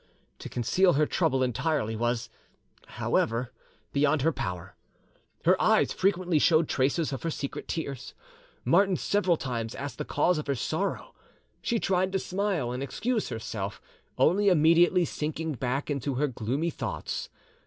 To conceal her trouble entirely was, however, beyond her power; her eyes frequently showed traces of her secret tears. Martin several times asked the cause of her sorrow; she tried to smile and excuse herself, only immediately sinking back into her gloomy thoughts.